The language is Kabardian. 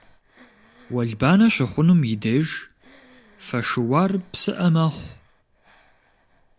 Уэлбанэ щыхъунум и деж фэ шыуар псыӏэ мэхъу.